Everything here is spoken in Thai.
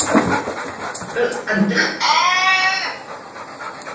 เขารู้สึกผิดกับการกระทำที่ไม่ระมัดระวังถึงแม้ว่าเขาจะทำมันแค่ไหน